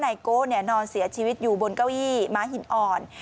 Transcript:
นายโก้นอนเสียชีวิตอยู่บนเก้าอี้ม้าหินอ่อน